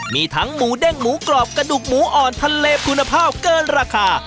มีทั้งหมูเด้งหมูกรอบกระดูกหมูอ่อนทะเลคุณภาพเกินราคา